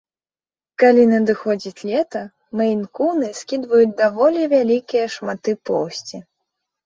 Калі надыходзіць лета, мэйн-куны скідваюць даволі вялікія шматы поўсці.